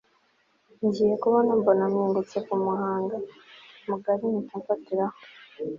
ngiye kubona mbona mpingutse kumuhanga mugari mpita mfatiraho